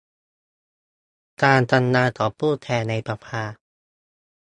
การทำงานของผู้แทนในสภา